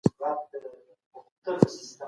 تخيل دلته تعقل ته ځای ورکوي.